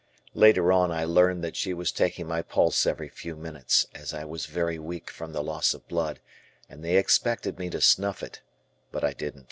Later on I learned that she was taking my pulse every few minutes, as I was very weak from the loss of blood and they expected me to snuff it, but I didn't.